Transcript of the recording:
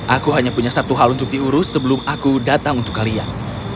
aku hanya punya satu hal untuk diurus sebelum aku datang untuk kalian